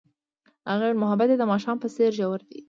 هغې وویل محبت یې د ماښام په څېر ژور دی.